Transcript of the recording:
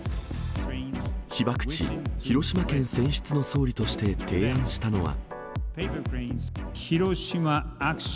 被爆地、広島県選出の総理として提案したのは。